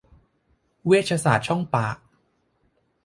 เวชศาสตร์ช่องปาก